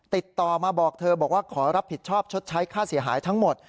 ติดต่อมาบอกเธอบอกว่าขอรับผิดชอบชดใช้ค่าเสียหายทั้งหมด